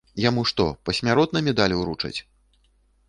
Яму што, пасмяротна медаль уручаць?